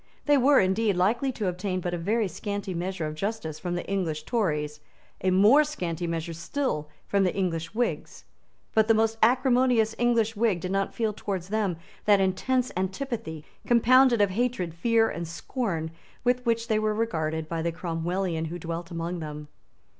They were, indeed, likely to obtain but a very scanty measure of justice from the English Tories, a more scanty measure still from the English Whigs; but the most acrimonious English Whig did not feel towards them that intense antipathy, compounded of hatred, fear and scorn, with which they were regarded by the Cromwellian who dwelt among them.